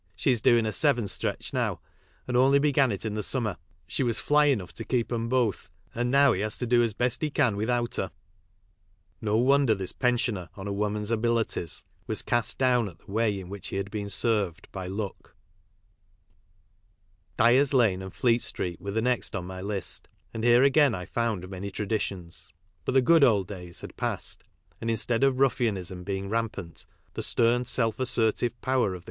bhe is doing a seven stretch now, and only began it in summer. She was fly enough to keep 'em both, and now he has to do as best he can without her " No wonder this pensioner on a woman's abilities was j by " Ck" W Which hS had beeQ served Dyers' lane and Fleet street were the next on my ' t ' a % a f n f f ound man y traditions ; but the good old days" had passed, and instead of ruffianism being rampant, the stern, self assertive power of the